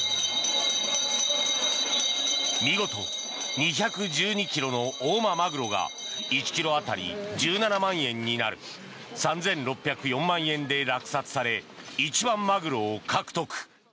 見事、２１２ｋｇの大間まぐろが１ｋｇ当たり１７万円になる３６０４万円で落札され一番マグロを獲得。